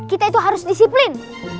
kita itu harus disiplin